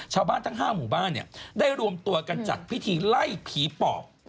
ชาวบ้านทั้ง๕หมู่บ้านได้รวมตัวกันจัดพิธีไล่ผีปอบ